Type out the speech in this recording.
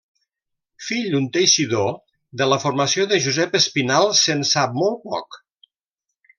Fill d'un teixidor, de la formació de Josep Espinalt se'n sap molt poc.